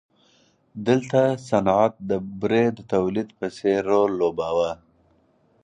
دلته صنعت د بورې د تولید په څېر رول لوباوه.